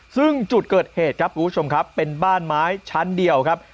ซึ่งจุดเกิดเหตุครับคุณผู้ชมครับเป็นบ้านไม้ชั้นเดียวครับ